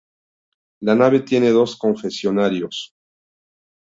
La nave tiene dos confesionarios.